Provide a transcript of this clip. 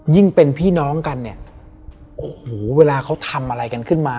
เป็นพี่น้องกันเนี่ยโอ้โหเวลาเขาทำอะไรกันขึ้นมา